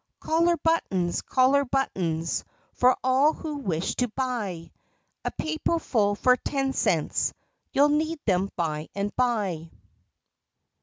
"Collar buttons! Collar buttons! For all who wish to buy— A paperful for ten cents You'll need them by and by!"